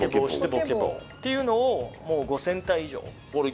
っていうのをもう５，０００体以上。